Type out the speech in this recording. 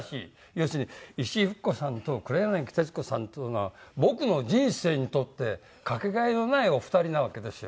要するに石井ふく子さんと黒柳徹子さんっていうのは僕の人生にとってかけがえのないお二人なわけですよ。